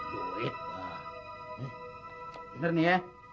bener nih ya